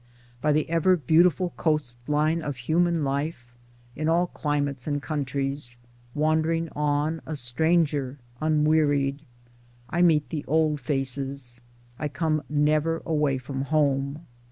By the ever beauti ful coast line of human life, in all climates and countries, 90 Towards Democracy wandering on, a stranger, unwearied, I meet the old faces: I come never away from home.